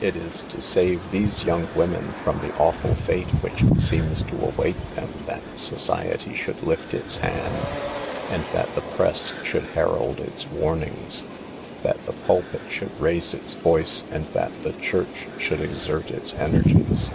It is to save these young women from the awful fate which seems to await them that society should lift its hand, and that the press should herald its warnings; that the pulpit should CAUSES OE THE SOCIAL EVIL. 41 raise its voice and that the church should exert its energies.